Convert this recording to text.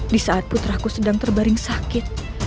di saat putraku sedang terbaring sakit